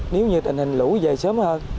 nếu như tình hình lũ về sớm hơn